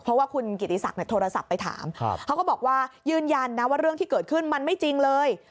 เพราะว่าคุณกิติศักดิ์โทรศัพท์ไปถามเขาก็บอกว่ายืนยันนะว่าเรื่องที่เกิดขึ้นมันไม่จริงเลย